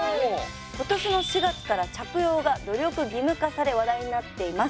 今年の４月から着用が努力義務化され話題になっています。